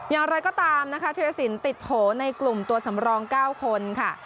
อย่างไรก็ตามนะคะธิรสินติดโผล่ในกลุ่มตัวสำรอง๙คนค่ะ